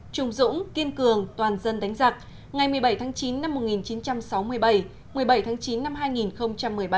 trung dũng kiên cường toàn dân đánh giặc ngày một mươi bảy tháng chín năm một nghìn chín trăm sáu mươi bảy một mươi bảy tháng chín năm hai nghìn một mươi ba